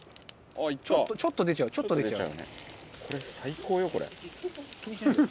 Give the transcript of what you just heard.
中丸：ちょっと出ちゃうちょっと出ちゃう。